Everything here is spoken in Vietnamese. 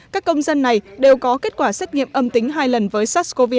các công dân này đều có kết quả xét nghiệm âm tính hai lần với sars cov hai